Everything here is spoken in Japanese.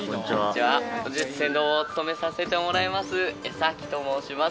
本日船頭を務めさせてもらいますエサキと申します。